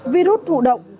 virus thụ động